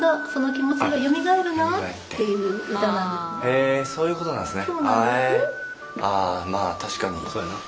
へえそういうことなんですね。